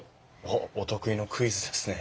おっお得意のクイズですね。